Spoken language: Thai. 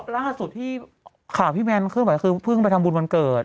ล่าสุดที่ข่าวพี่แมนเคลื่อนไหวคือเพิ่งไปทำบุญวันเกิด